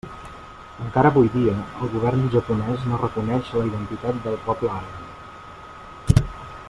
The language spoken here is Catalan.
Encara avui dia, el Govern japonès no reconeix la identitat del poble ainu.